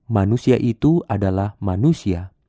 manusia itu adalah manusia